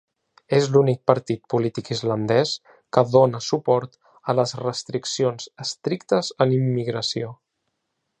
És l'únic partit polític islandès que dóna suport a les restriccions estrictes en immigració.